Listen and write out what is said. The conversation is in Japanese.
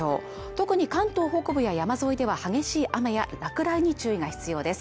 とくに関東北部や山沿いでは激しい雨や落雷に注意が必要です。